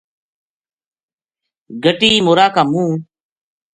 گَٹی مورا کا منہ